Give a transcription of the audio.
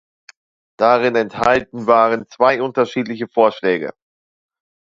Darin enthalten waren zwei unterschiedliche Vorschläge.